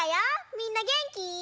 みんなげんき？